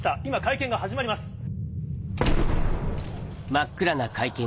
今会見が始まります。